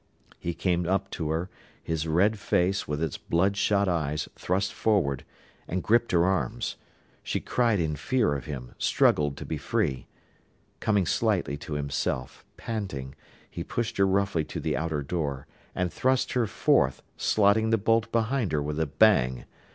He came up to her, his red face, with its bloodshot eyes, thrust forward, and gripped her arms. She cried in fear of him, struggled to be free. Coming slightly to himself, panting, he pushed her roughly to the outer door, and thrust her forth, slotting the bolt behind her with a bang.